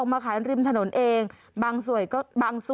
น้ำป่าเสดกิ่งไม้แม่ระมาศ